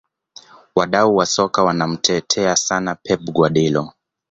wadau wa soka wanamtetea sana pep guardiola